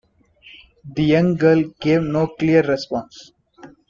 The young girl gave no clear response.